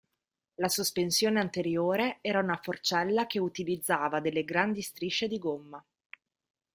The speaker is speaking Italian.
La sospensione anteriore era una forcella che utilizzava delle grandi strisce di gomma.